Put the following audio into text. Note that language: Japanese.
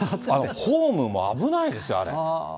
ホームも危ないですよ、あれ。